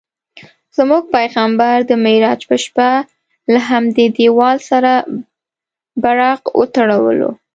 زموږ پیغمبر د معراج په شپه له همدې دیوال سره براق وتړلو.